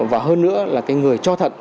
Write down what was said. và hơn nữa là cái người cho thận